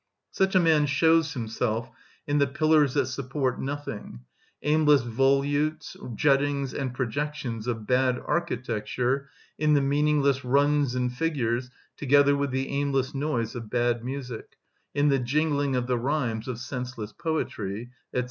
Such a man shows himself in the pillars that support nothing, aimless volutes, juttings and projections of bad architecture, in the meaningless runs and figures, together with the aimless noise of bad music, in the jingling of the rhymes of senseless poetry, &c.